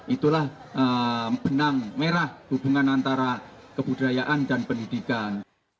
itulah benang merah hubungan antara kebudayaan dan pendidikan